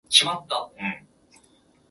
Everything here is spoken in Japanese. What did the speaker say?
愛はそこにあるんか